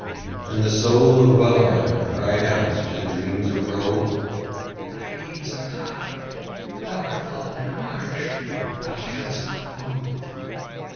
And the soul of Welleran cried out to the dreams of Rold: 'Thy knees are tied! Thou art fallen in a marsh! Thou canst not move.'